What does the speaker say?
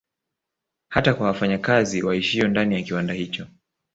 Hata kwa wafanya kazi waishio ndani ya kiwanda hicho